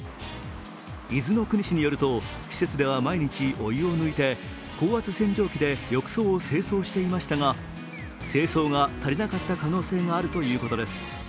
伊豆の国市によると、施設では毎日お湯を抜いて高圧洗浄機で浴槽を清掃していましたが清掃が足りなかった可能性があるということです。